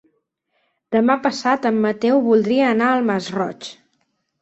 Demà passat en Mateu voldria anar al Masroig.